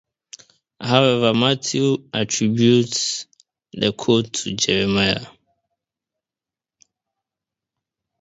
However, Matthew attributes the quote to Jeremiah.